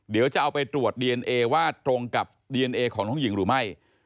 เดี๋ยวจะเอาไปตรวจดีเอนเอว่าตรงกับดีเอนเอของน้องหญิงหรือไม่